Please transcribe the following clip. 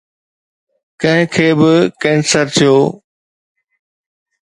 ڪنهن کي به ڪينسر ٿيو؟